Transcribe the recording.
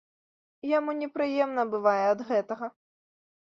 І яму непрыемна бывае ад гэтага.